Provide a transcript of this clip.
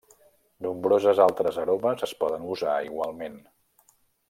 Nombroses altres aromes es poden usar igualment.